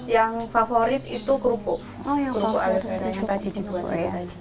yang favorit itu kerupuk kerupuk aloe vera yang tadi dibuat